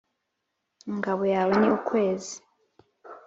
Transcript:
ingabo yawe ni ukwezi